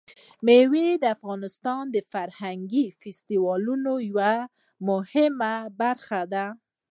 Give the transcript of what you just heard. مېوې د افغانستان د فرهنګي فستیوالونو یوه مهمه برخه ده.